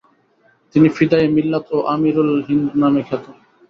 তিনি ফিদায়ে মিল্লাত ও আমিরুল হিন্দ নামে খ্যাত।